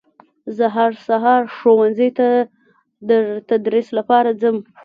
زه هر سهار ښوونځي ته در تدریس لپاره ځم